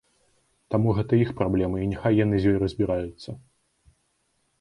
Таму гэта іх праблема, і няхай яны з ёй разбіраюцца.